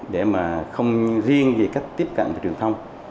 để mà không riêng về cách tiếp cận và truyền thông